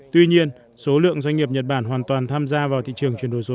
tuy nhiên số lượng doanh nghiệp nhật bản hoàn toàn tham gia vào thị trường chuyển đổi số